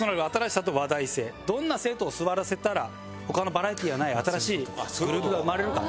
どんな生徒を座らせたら他のバラエティにはない新しいグルーヴが生まれるか。